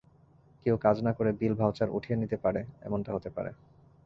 কেউ কাজ না করে বিল ভাউচার উঠিয়ে নিতে পারে এমনটা হতে পারে।